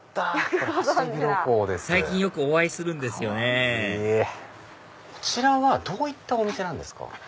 最近よくお会いするんですよこちらはどういったお店なんですか？